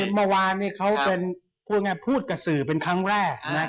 เมื่อวานเขาเป็นพูดกับสื่อเป็นครั้งแรกนะครับ